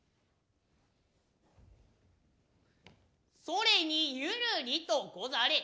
それに寛りとござれ。